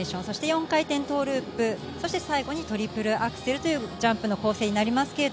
そして４回転トーループ、最後にトリプルアクセルというジャンプの構成になります。